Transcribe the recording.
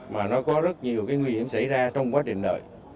mà nó có rất nhiều cái nguy hiểm xảy ra trong quá trình đợi